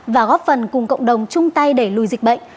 và góp phần cùng cộng đồng chung tay đẩy lùi dịch bệnh